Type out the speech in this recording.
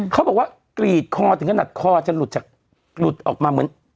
เขาบอกว่ากรีดคอถึงขนาดคอจะหลุดจากหลุดออกมาเหมือน